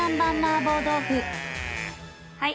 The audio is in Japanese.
はい。